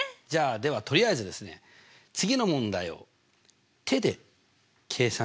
じゃあではとりあえずですね次の問題をえっ？